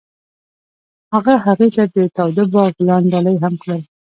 هغه هغې ته د تاوده باغ ګلان ډالۍ هم کړل.